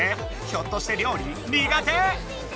ひょっとして料理にがて？